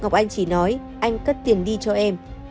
ngọc anh chỉ nói anh cất tiền đi cho em